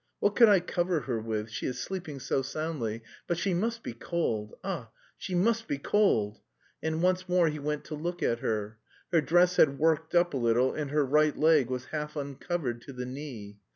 What could I cover her with, she is sleeping so soundly, but she must be cold, ah, she must be cold!" And once more he went to look at her; her dress had worked up a little and her right leg was half uncovered to the knee.